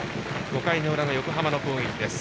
５回の裏の横浜の攻撃です。